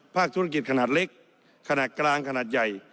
ธุรกิจขนาดเล็กขนาดกลางขนาดใหญ่